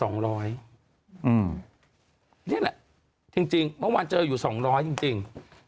นี่แหละจริงเมื่อวานเจออยู่๒๐๐จริง